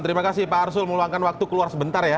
terima kasih pak arsul meluangkan waktu keluar sebentar ya